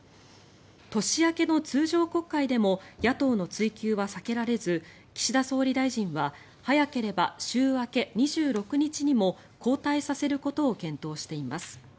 年明けの通常国会でも野党の追及は避けられず岸田総理大臣は早ければ週明け２６日にも交代させることを検討しています。